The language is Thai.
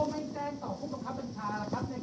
ครับก็เดี๋ยวเชิญพี่น้องสมุทรจะสอบถามไหม